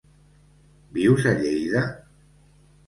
Vius a Lleida?